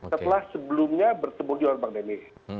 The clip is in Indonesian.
setelah sebelumnya bertemu dengan bang demik